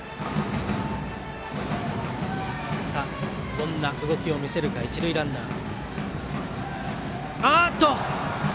どんな動きを見せるか一塁ランナー。